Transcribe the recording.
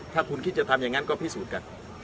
ถ้าคุณคิดจะทำอย่างนั้นก็พิสูจน์กัน